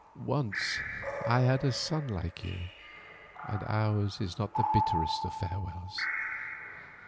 Once I had a son like you, and ours was the bitterest of farewells.